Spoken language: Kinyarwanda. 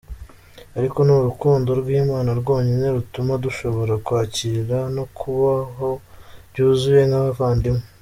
Ariko ni urukundo rw’Imana rwonyine rutuma dushobora kwakira no kubaho byuzuye nk’abavandimwe.